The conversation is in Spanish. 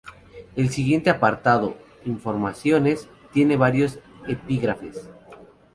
El siguiente apartado, "Informaciones", tiene varios epígrafes.